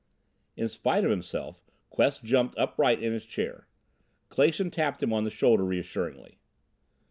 In spite of himself, Quest jumped upright in his chair. Clason tapped him on the shoulder reassuringly.